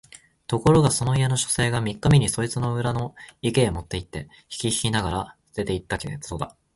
ところがそこの家の書生が三日目にそいつを裏の池へ持って行って四匹ながら棄てて来たそうだ